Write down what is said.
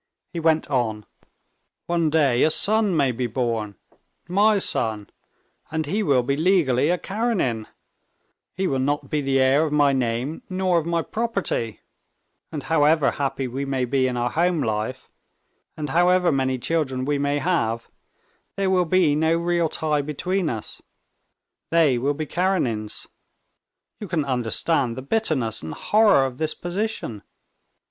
He went on: "One day a son may be born, my son, and he will be legally a Karenin; he will not be the heir of my name nor of my property, and however happy we may be in our home life and however many children we may have, there will be no real tie between us. They will be Karenins. You can understand the bitterness and horror of this position!